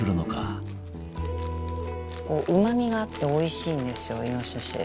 うま味があっておいしいんですよ